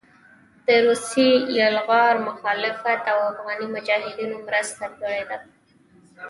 د روسي يلغار مخالفت او افغاني مجاهدينو مرسته کړې وه